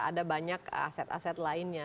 ada banyak aset aset lainnya